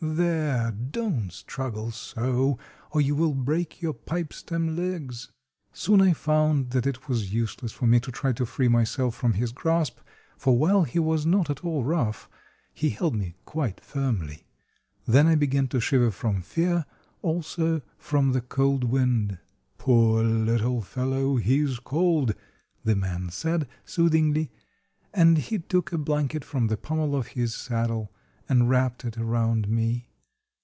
There—don't struggle so, or you will break your pipe stem legs." Soon I found that it was useless for me to try to free myself from his grasp, for while he was not at all rough, he held me quite firmly. Then I began to shiver from fear; also from the cold wind. "Poor little fellow—he is cold," the man said, soothingly, and he took a blanket from the pommel of his saddle and wrapped it around me.